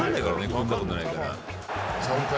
絡んだこともないから。